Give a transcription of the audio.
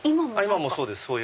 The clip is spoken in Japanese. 今もそうです。